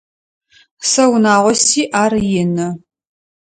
Сэ унагъо сиӏ, ар ины.